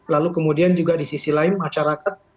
lalu kemudian juga di sisi lain masyarakat